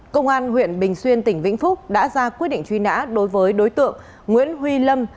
công an huyện bình xuyên tỉnh vĩnh phúc đã ra quyết định truy nã đối với đối tượng nguyễn huy lâm